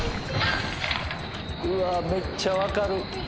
うわめっちゃわかる。